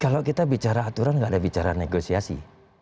kalau kita bicara aturan nggak ada bicara negosiasi